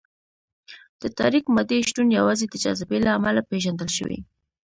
د تاریک مادې شتون یوازې د جاذبې له امله پېژندل شوی.